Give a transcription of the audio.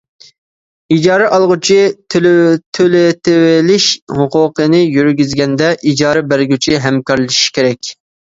ئىجارە ئالغۇچى تۆلىتىۋېلىش ھوقۇقىنى يۈرگۈزگەندە ئىجارە بەرگۈچى ھەمكارلىشىشى كېرەك.